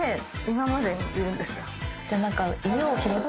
じゃ何か。